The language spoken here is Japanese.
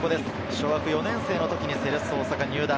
小学４年生の時にセレッソ大阪に入団。